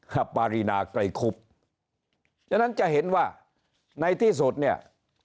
ปารีนาไกรคุบฉะนั้นจะเห็นว่าในที่สุดเนี่ย